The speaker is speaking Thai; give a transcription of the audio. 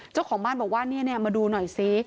เจ้าของบ้านบอกว่ามาดูหน่อยซิ